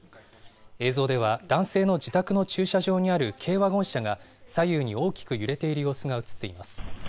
映像では、男性の自宅の駐車場にある軽ワゴン車が左右に大きく揺れている様子が写っています。